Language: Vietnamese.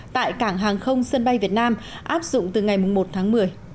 tại cảng hàng không sân bay việt nam áp dụng từ ngày một tháng một mươi